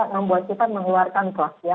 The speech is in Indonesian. membuat kita mengeluarkan trust ya